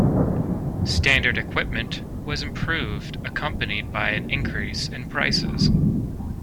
Standard equipment was improved accompanied by an increase in prices.